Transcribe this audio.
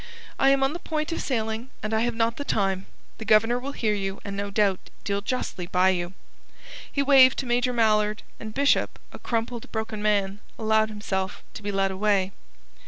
"I am on the point of sailing and I have not the time. The Governor will hear you, and no doubt deal justly by you." He waved to Major Mallard, and Bishop, a crumpled, broken man, allowed himself to be led away.